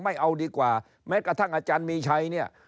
ไม่เอาดีกว่าแม้กระทั่งอาจารย์มีชัยเนี่ย